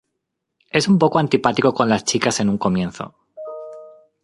Es un poco antipático con las chicas en un comienzo.